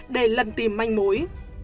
để lần tìm manh mối